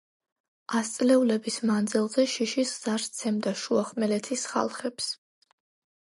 ასწლეულების მანძილზე შიშის ზარს სცემდა შუახმელეთის ხალხებს.